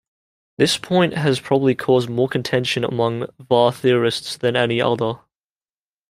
This point has probably caused more contention among VaR theorists than any other.